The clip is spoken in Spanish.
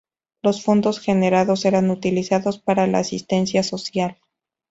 Los fondos generados eran utilizados para la asistencia social.